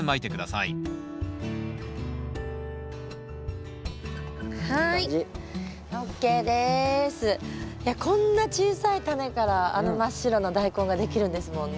いやこんな小さいタネからあの真っ白なダイコンができるんですもんね。